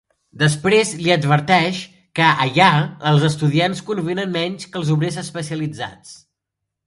Després li adverteix que allà els estudiants convenen menys que els obrers especialitzats.